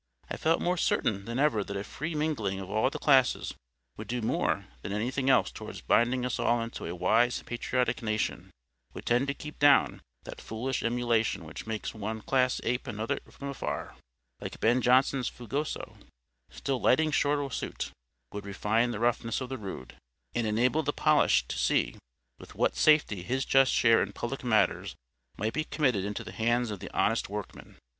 I felt more certain than ever that a free mingling of all classes would do more than anything else towards binding us all into a wise patriotic nation; would tend to keep down that foolish emulation which makes one class ape another from afar, like Ben Jonson's Fungoso, "still lighting short a suit;" would refine the roughness of the rude, and enable the polished to see with what safety his just share in public matters might be committed into the hands of the honest workman.